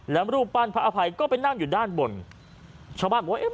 แล้วรูปปั้นพระอภัยก็ไปนั่งอยู่ด้านบนชาวบ้านบอกว่าเอ๊ะ